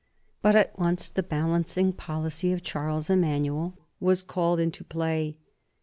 But at once the balancing policy of Charles Emanuel was called into play.